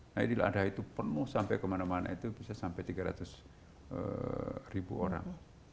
nah idul adha itu penuh sampai kemana mana itu bisa sampai tiga ratus ribu orang